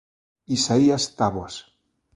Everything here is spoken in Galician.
Isaías Táboas.